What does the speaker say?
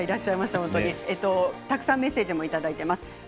たくさんメッセージもいただいています。